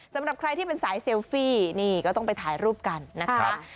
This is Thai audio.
สำหรับใครที่เป็นสายเซลฟี่นี่ก็ต้องไปถ่ายรูปกันนะคะ